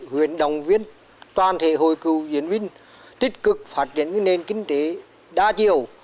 huyện đồng viên toàn thể hội cựu chiến binh tích cực phát triển nền kinh tế đa chiều